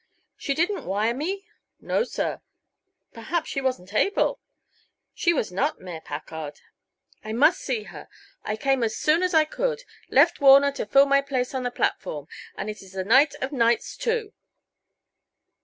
"She didn't wire me?" "No, sir." "Perhaps she wasn't able?" "She was not, Mayor Packard." "I must see her. I came as soon as I could. Left Warner to fill my place on the platform, and it is the night of nights, too.